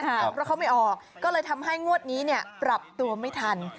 เพราะเขาไม่ออกก็เลยทำให้งวดนี้ปรับตัวไม่ทัน